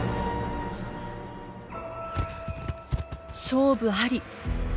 勝負あり。